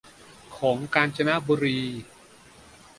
ของกาญจนบุรี